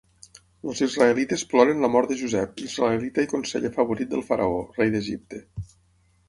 Els israelites ploren la mort de Josep, israelita i conseller favorit del faraó, rei d'Egipte.